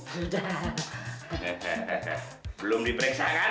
belum diperiksa kan